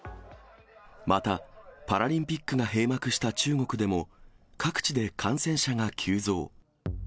また、パラリンピックが閉幕した中国でも、各地で感染者が急増。